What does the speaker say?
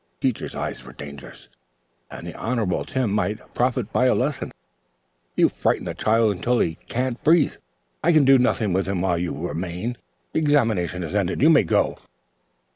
Teacher's eyes were dangerous, and the Honorable Tim might profit by a lesson. "You've frightened the child until he can't breathe. I can do nothing with him while you remain. The examination is ended. You may go."